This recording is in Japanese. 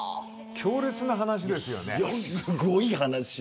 強烈な話ですよね。